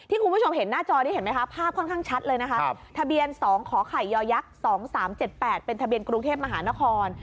คุณผู้ชมเห็นหน้าจอนี้เห็นไหมคะภาพค่อนข้างชัดเลยนะคะทะเบียน๒ขอไข่ยักษ๒๓๗๘เป็นทะเบียนกรุงเทพมหานคร